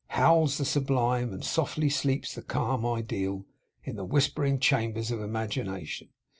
Howls the sublime, and softly sleeps the calm Ideal, in the whispering chambers of Imagination.